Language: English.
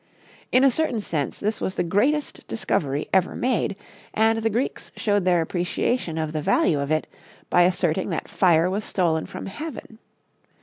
In a certain sense this was the greatest discovery ever made, and the Greeks showed their appreciation of the value of it by asserting that fire was stolen from heaven.